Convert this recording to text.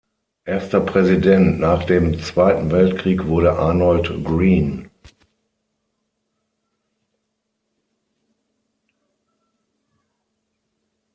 Erster Präsident nach dem Zweiten Weltkrieg wurde Arnold Green.